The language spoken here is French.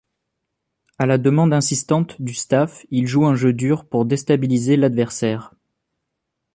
À la demande insistante du staff, il joue un jeu dur pour déstabiliser l'adversaire.